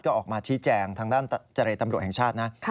ก็ออกมาชี้แจงทางด้านเจรตำรวจแห่งชาตินะ